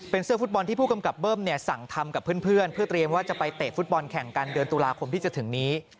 เป็นเสื้อฟุตบอลที่ผู้กำกับเบิ้มเนี่ยสั่งทำกับเพื่อนเพื่อเตรียมว่าจะไปเตะฟุตบอลแข่งกันเดือนตุลาคมที่จะถึงนี้